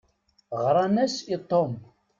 Ɣṛan-as i Tom.